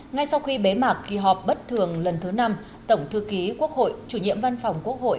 ngay sau khi bế mạc kỳ họp bất thường lần thứ năm tổng thư ký quốc hội chủ nhiệm văn phòng quốc hội